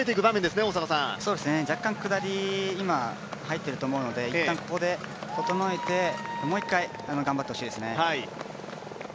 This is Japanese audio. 若干、下りに入っていると思うので一旦ここで整えて、もう一回頑張ってほしいですね。